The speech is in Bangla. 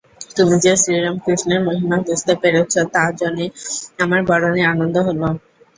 তুমি যে শ্রীরামকৃষ্ণের মহিমা বুঝতে পেরেছ, তা জেনে আমার বড়ই আনন্দ হল।